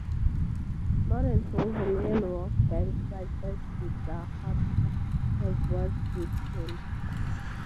Modern Slovenian rock bands such as Siddharta have worked with him.